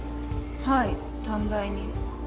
はい短大に